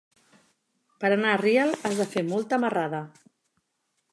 Per anar a Real has de fer molta marrada.